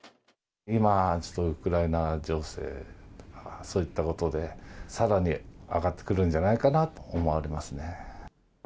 今、ちょっとウクライナ情勢とか、そういったことで、さらに上がってくるんじゃないかなと思われますね。